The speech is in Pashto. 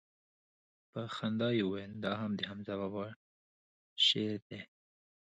په خندا يې وويل دا هم دحمزه بابا شعر دىه.